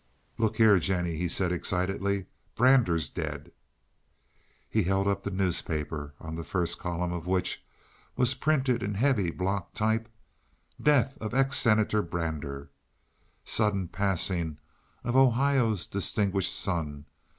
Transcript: "Look here, Jennie," he said excitedly, "Brander's dead!" He held up the newspaper, on the first column of Which was printed in heavy block type: DEATH OF EX SENATOR BRANDER Sudden Passing of Ohio's Distinguished Son.